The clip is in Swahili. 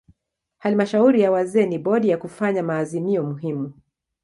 Halmashauri ya wazee ni bodi ya kufanya maazimio muhimu.